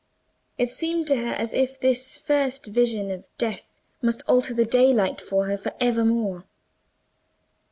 It seemed to her as if this first vision of death must alter the daylight for her for evermore.